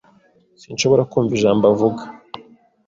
Sinshobora kumva ijambo avuga.